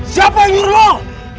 siapa yang nyuruh